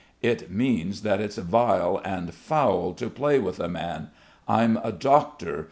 "It means that it's vile and foul to play with a man I I'm a doctor.